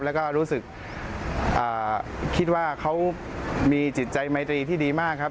แล้วก็รู้สึกคิดว่าเขามีจิตใจไมตรีที่ดีมากครับ